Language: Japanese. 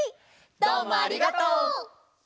どうもありがとう！